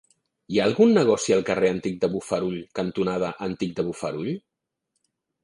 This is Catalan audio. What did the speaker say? Hi ha algun negoci al carrer Antic de Bofarull cantonada Antic de Bofarull?